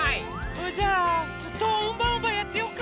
それじゃあずっとウンバウンバやってようか！